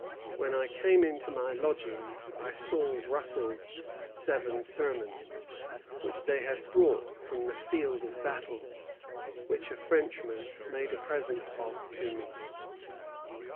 When I came into my lodgings I saw Russel's Seven Sermons, which they had brought from the field of battle, which a Frenchman made a present of to me."